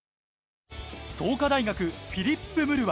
創価大学、フィリップ・ムルワ。